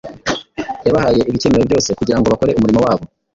Yabahaye ibikenewe byose kugira ngo bakore umurimo wabo